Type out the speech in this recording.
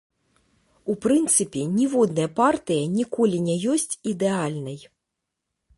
У прынцыпе, ніводная партыя ніколі не ёсць ідэальнай.